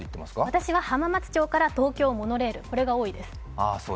私は浜松町から東京モノレール、これが多いです。